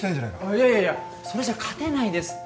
いやいやいやそれじゃ勝てないですって